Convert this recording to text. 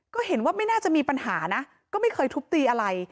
ก็เห็นว่าไม่น่าจะมีปัญหานะก็ไม่เคยทุบตีอะไร